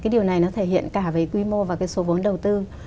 điều này thể hiện cả với quy mô và số vốn đầu tư